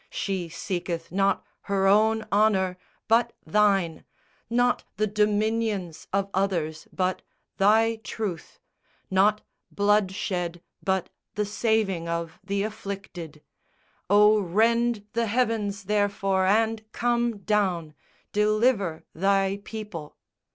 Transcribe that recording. She seeketh not her own honour, but Thine, Not the dominions of others, but Thy truth, Not bloodshed but the saving of the afflicted! O rend the heavens, therefore, and come down. Deliver Thy people!